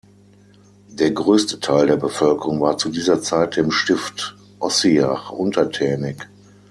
Der größte Teil der Bevölkerung war zu dieser Zeit dem Stift Ossiach untertänig.